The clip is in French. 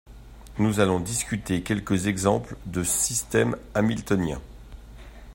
nous allons discuter quelques exemples de systèmes hamiltoniens